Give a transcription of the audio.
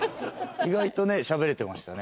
意外とねしゃべれてましたね。